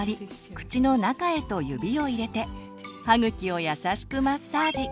口の中へと指を入れて歯茎を優しくマッサージ。